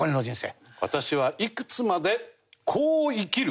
私はいくつまでこう生きる。